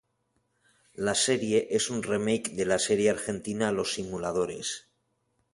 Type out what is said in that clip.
La serie es un remake de la serie argentina Los simuladores.